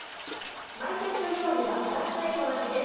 毎週水曜日はプラスエコの日です。